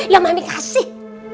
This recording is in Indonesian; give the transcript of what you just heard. yang mami kasih